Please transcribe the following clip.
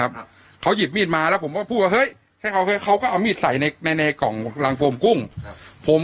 ครับเขาหยิบมีดมาแล้วผมก็พูดว่าเฮ้ยแค่เอาเฮ้ยเขาก็เอามีดใส่ในในกล่องรังโฟมกุ้งครับผม